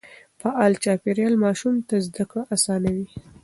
فعال چاپېريال ماشوم ته زده کړه آسانوي.